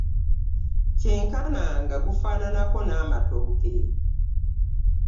Kyenkana nga gufaananako n'amatooke.